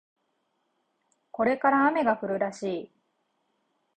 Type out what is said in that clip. これから雨が降るらしい